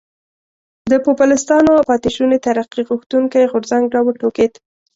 د پوپلستانو پاتې شونو ترقي غوښتونکی غورځنګ را وټوکېد.